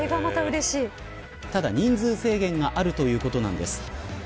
ただ、人数制限があるということなんです。